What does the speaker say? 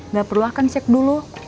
gak perlu akan cek dulu